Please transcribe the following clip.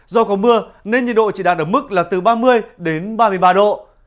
do có mưa nên nhiệt độ chỉ đạt ở mức là từ ba mươi đến ba mươi ba độ